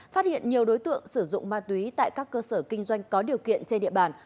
phát hiện nhiều đối tượng sử dụng ma túy tại các cơ sở kinh doanh có điều kiện trên địa bàn